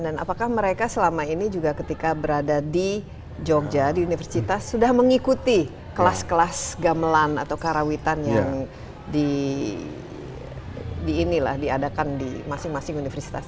dan apakah mereka selama ini juga ketika berada di jogja di universitas sudah mengikuti kelas kelas gamelan atau karawitan yang diadakan di masing masing universitas